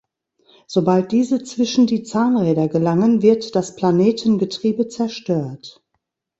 Sobald diese zwischen die Zahnräder gelangen, wird das Planetengetriebe zerstört.